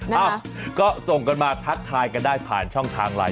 เอ้าก็ส่งกันมาทักทายกันได้ผ่านช่องทางไลน